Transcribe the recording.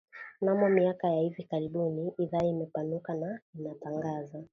Mnamo miaka ya hivi karibuni idhaa imepanuka na inatangaza